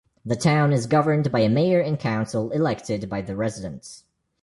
The town is governed by a mayor and council elected by the residents.